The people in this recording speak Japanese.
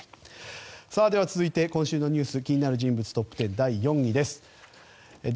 では続いて今週の気になる人物トップ１０第４位です。